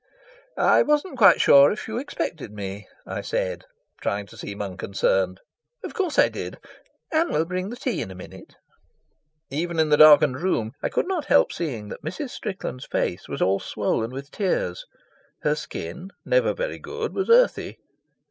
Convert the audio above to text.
"I wasn't quite sure if you expected me," I said, trying to seem unconcerned. "Of course I did. Anne will bring the tea in a minute." Even in the darkened room, I could not help seeing that Mrs. Strickland's face was all swollen with tears. Her skin, never very good, was earthy.